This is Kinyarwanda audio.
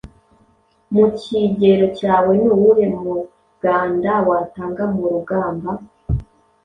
Mu kigero cyawe, ni uwuhe muganda watanga mu rugamba